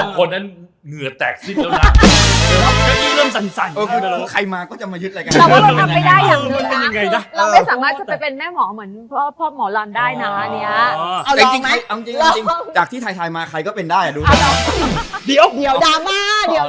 คุณต้องช่วยผมสิไม่ใช่คุณไปช่วยสามคนนั้นโอ้โธทั้งแต่ละคุณจะมาเย็ดกูกันทั้งนั้น